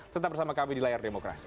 tetap bersama kami di layar demokrasi